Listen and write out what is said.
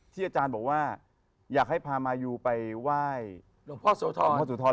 ที่อาจารย์บอกว่าอยากให้พามายูไปว่ายพ่อโสธร